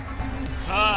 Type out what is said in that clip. さあ